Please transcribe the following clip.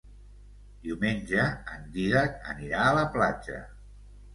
Diumenge en Dídac anirà a la platja.